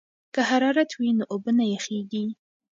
که حرارت وي نو اوبه نه یخیږي.